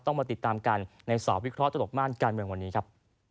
ต้องมาติดตามกันในสอบวิเคราะห์เจ้าตกม่านกันเหมือนวันนี้ครับ